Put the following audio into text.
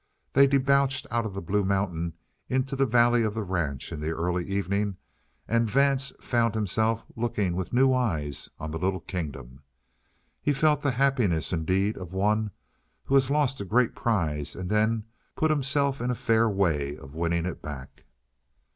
They debouched out of the Blue Mountains into the valley of the ranch in the early evening, and Vance found himself looking with new eyes on the little kingdom. He felt the happiness, indeed, of one who has lost a great prize and then put himself in a fair way of winning it back.